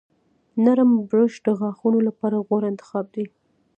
نرم برش د غاښونو لپاره غوره انتخاب دی.